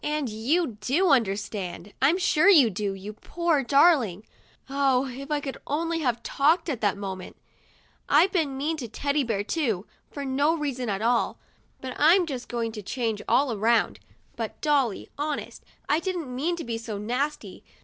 And you do understand ; I'm sure you do, you poor dar ling !' (Oh, if I could only have talked at that moment !)" I've been mean to Teddy Bear too, for no reason at all; but I'm just going to change all around. But, Dolly, honest, I didn't mean to be so nasty.